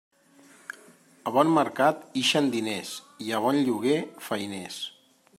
A bon mercat ixen diners i a bon lloguer, feiners.